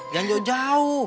jangan jauh jauh